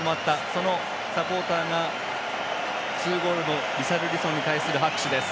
そのサポーターが２ゴールのリシャルリソンに対する拍手です。